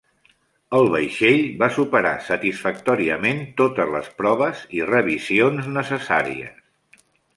El vaixell va superar satisfactòriament totes les proves i revisions necessàries.